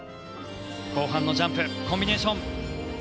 後半のジャンプコンビネーション。